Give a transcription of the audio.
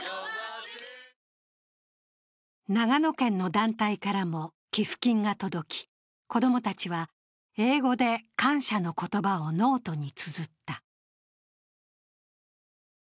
長野県の団体からも寄付金が届き、子供たちは、英語で感謝の言葉をノートにつづった。